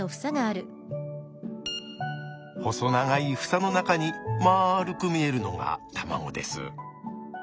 細長い房の中にまるく見えるのが卵です。